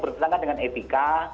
berkenangan dengan etika